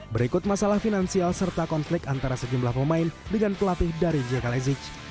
berikut masalah finansial serta konflik antara sejumlah pemain dengan pelatih dari jk lezic